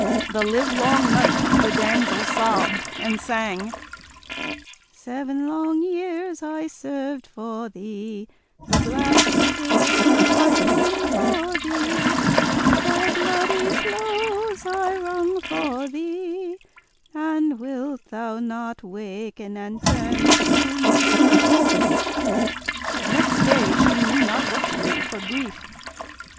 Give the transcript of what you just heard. The live long night the damsel sobbed and sang: "Seven long years I served for thee, The glassy hill I clomb for thee, Thy bloody clothes I wrang for thee; And wilt thou not waken and turn to me?" [Illustration: THE GLASSY HILL I CLOMB FOR THEE] Next day she knew not what to do for grief.